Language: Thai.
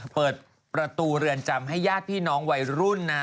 เปิดประตูเรือนจำให้ญาติพี่น้องวัยรุ่นนะ